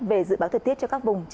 về dự báo thời tiết cho các vùng